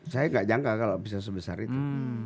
saya nggak jangka kalau bisa sebesar itu